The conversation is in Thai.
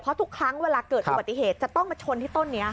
เพราะทุกครั้งเวลาเกิดอุบัติเหตุจะต้องมาชนที่ต้นนี้ค่ะ